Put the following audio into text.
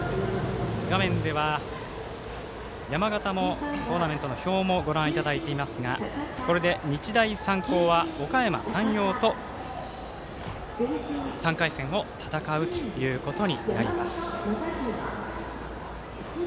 画面では山型のトーナメントの表もご覧いただいていますがこれで日大三高はおかやま山陽と３回戦を戦うということになります。